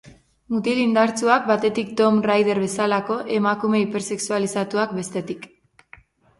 Mutil indartsuak batetik, Tomb Raider bezalako emakume hipersexualizatuak bestetik.